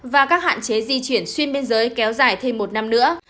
và các hạn chế di chuyển xuyên biên giới kéo dài thêm một năm nữa